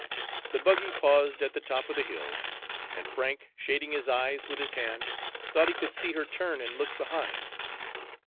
The buggy paused at the top of the hill, and Frank, shading his eyes with his hand, thought he could see her turn and look behind.